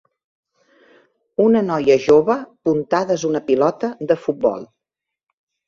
Una noia jove puntades una pilota de futbol